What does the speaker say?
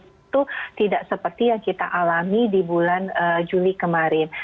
itu tidak seperti yang kita alami di bulan juli kemarin